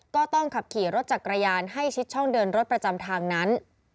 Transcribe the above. ก็ต้องขับขี่รถจักรยานให้ชิดช่องเดินรถประจำทางนั้น